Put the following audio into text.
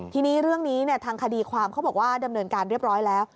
ทีนี้เรื่องนี้ทางคดีความเขาบอกว่าดำเนินการเรียบร้อยแล้ว